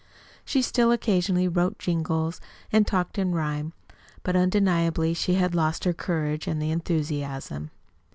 She still occasionally wrote jingles and talked in rhyme; but undeniably she had lost her courage and her enthusiasm.